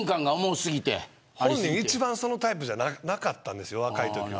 本人は一番そのタイプじゃなかったんです、若いときは。